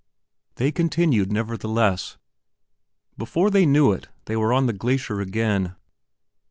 They continued nevertheless. Before they knew it, they were on the glacier again.